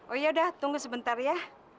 oh ya udah tunggu sebentar ya